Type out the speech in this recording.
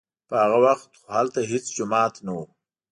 په هغه وخت خو هلته هېڅ جومات نه و.